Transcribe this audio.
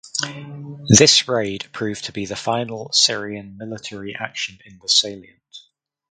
This raid proved to be the final Syrian military action in the salient.